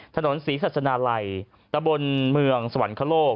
ถนนศรีศาสนาลัยตะบนเมืองสวรรคโลก